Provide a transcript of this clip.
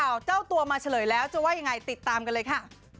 เจ้าตัวมาเฉลยแล้วจะว่ายังไงติดตามกันเลยค่ะ